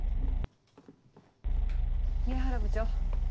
宮原部長。